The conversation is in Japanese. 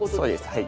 はい。